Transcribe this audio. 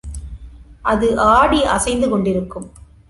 அது ஆடி அசைந்து கொண்டிருக்கும்.